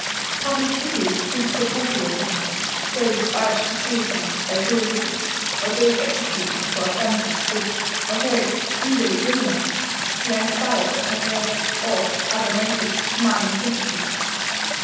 Public pity seeks to apotheosize those urged to suicide by cruelty, or those executed for offences which, although legally criminal, were inspired by patriotic or other motives commanding sympathy.